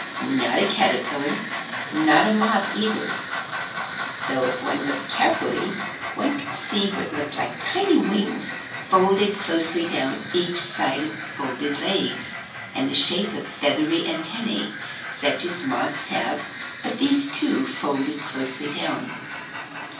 Not a caterpillar, not a moth either, though if one looked carefully one could see what looked like tiny wings folded closely down each side of folded legs, and the shape of feathery antennae such as moths have, but these, too, folded closely down.